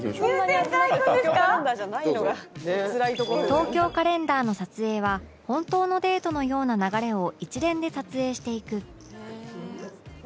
『東京カレンダー』の撮影は本当のデートのような流れを一連で撮影していく